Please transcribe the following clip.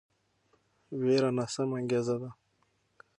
ویره ناسمه انګیزه ده